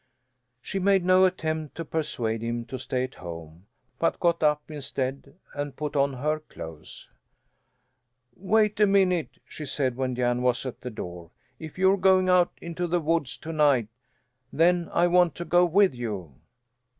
She made no attempt to persuade him to stay at home, but got up, instead, and put on her clothes. "Wait a minute!" she said, when Jan was at the door. "If you're going out into the woods to night, then I want to go with you."